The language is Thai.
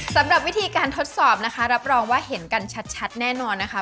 สำหรับวิธีการทดสอบนะคะรับรองว่าเห็นกันชัดแน่นอนนะคะ